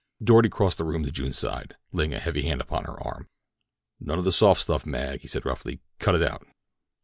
Doarty crossed the room to June's side, laying a heavy hand upon her arm. "None of the soft stuff, Mag," he said roughly; "cut it out."